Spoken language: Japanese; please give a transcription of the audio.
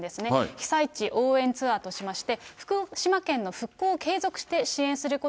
被災地応援ツアーとしまして、福島県の復興を継続して支援する